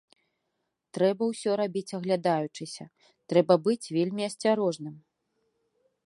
Трэба ўсё рабіць аглядаючыся, трэба быць вельмі асцярожным.